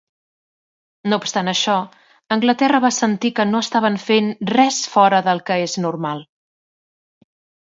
No obstant això, Anglaterra va sentir que no estaven fent "res fora del que és normal".